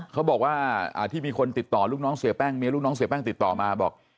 เขาบอกว่าที่มีคนติดต่อลูกน้องเสียแป้งเมียลูกน้องเสียแป้งติดต่อมาบอก